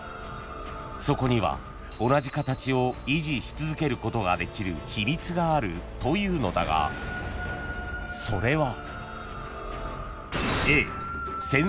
［そこには同じ形を維持し続けることができる秘密があるというのだがそれは？］